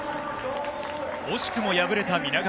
惜しくも敗れた皆川。